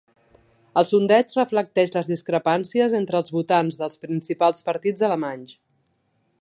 El sondeig reflecteix les discrepàncies entre els votants dels principals partits alemanys.